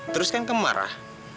terus kan kamu marah